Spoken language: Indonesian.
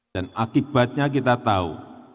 dan akibatnya kita tahu